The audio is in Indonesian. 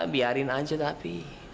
biarin aja tapi